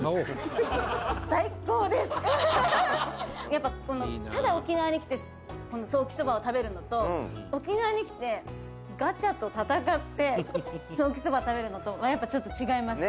「やっぱ、ただ沖縄に来てソーキそばを食べるのと沖縄に来て、ガチャと戦ってソーキそば食べるのとやっぱ、ちょっと違います」